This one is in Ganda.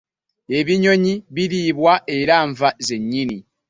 ebinnyonyi biriibwa era nva zennyini.